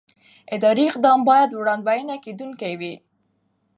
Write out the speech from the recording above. اداري اقدام باید وړاندوينه کېدونکی وي.